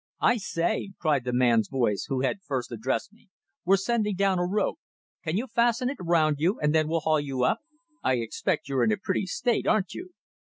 "I say!" cried the man's voice who had first addressed me, "We're sending down a rope. Can you fasten it round you, and then we'll haul you up? I expect you're in a pretty state, aren't you?"